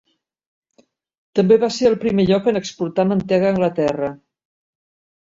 També va ser el primer lloc en exportar mantega a Anglaterra.